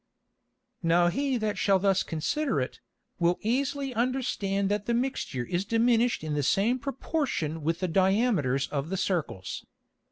Now he that shall thus consider it, will easily understand that the Mixture is diminished in the same Proportion with the Diameters of the Circles.